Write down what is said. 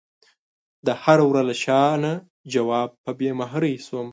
د هر وره له شانه ځواب په بې مهرۍ شوم